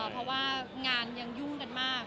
เพราะว่างานยังยุ่งกันมาก